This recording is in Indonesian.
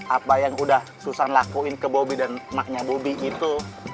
apa yang udah susan lakuin ke bobby dan emaknya bobby itu